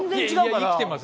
生きてます